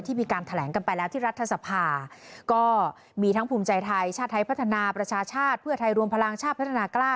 มีการแถลงกันไปแล้วที่รัฐสภาก็มีทั้งภูมิใจไทยชาติไทยพัฒนาประชาชาติเพื่อไทยรวมพลังชาติพัฒนากล้า